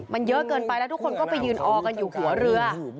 มันเยอะเกินไปแล้วทุกคนก็ไปยืนออกันอยู่หัวเรือ